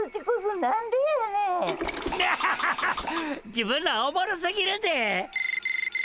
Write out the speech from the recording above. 自分らおもろすぎるで！